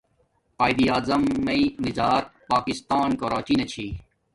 قایداعظم مزا پاکستان کراچی نا چھی